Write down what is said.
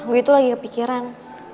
gue itu lagi kepikiran